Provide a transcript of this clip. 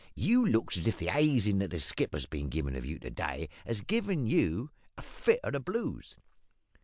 You looks as if the hazin' that the skipper's been givin' of you to day has give you a fit of the blues!'